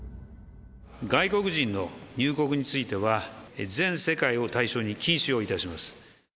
外国人の入国については、全世界を対象に禁止をいたします。